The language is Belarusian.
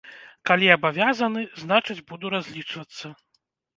Калі абавязаны, значыць, буду разлічвацца.